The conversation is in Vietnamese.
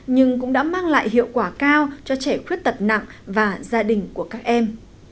nhưng cũng đã mang lại hiệu quả cao cho trẻ khuyết tật nặng và gia đình của các em